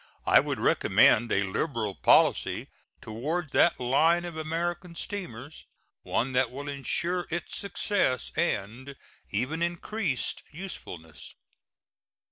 I would recommend a liberal policy toward that line of American steamers one that will insure its success, and even increased usefulness.